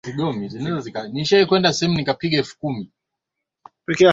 kuchukua maamuzi mazito kupunguza idadi ya mfanyakazi